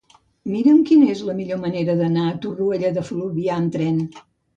Mira'm quina és la millor manera d'anar a Torroella de Fluvià amb tren.